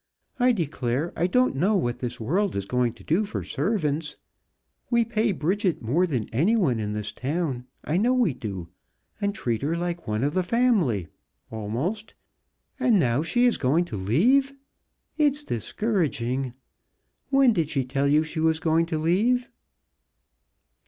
I declare I don't know what this world is going to do for servants we pay Bridget more than anyone in this town, I know we do, and treat her like one of the family, almost, and now she is going to leave! It's discouraging! When did she tell you she was going to leave?"